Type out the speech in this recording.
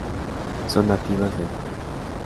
Son nativas de África.